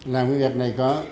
làm cái việc này có